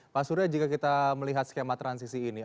pak surya jika kita melihat skema transisi ini